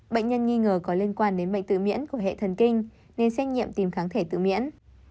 bệnh nhân nghi ngờ có liên quan đến bệnh tự miễn của hệ thần kinh nên xét nghiệm tìm kháng thể tự miễn